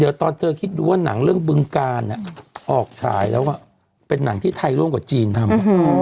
เดี๋ยวตอนเธอคิดดูว่าหนังเรื่องบึงการออกฉายแล้วเป็นหนังที่ไทยร่วมกับจีนทำ